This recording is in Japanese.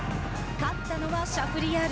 勝ったのはシャフリヤール。